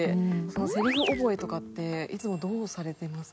セリフ覚えとかっていつもどうされてますか？